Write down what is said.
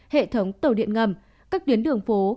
hệ thống tàu điện ngầm các điến đường phố